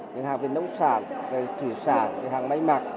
những hàng về nông sản về thủy sản về hàng may mặc